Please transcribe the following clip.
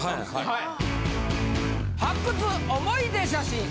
はい。